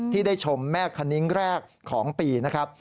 ที่ได้ชมแม่คณิ้งแรกของปีนะครับ